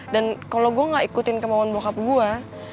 dan kalo gua gak ikutin kemauan bokap gua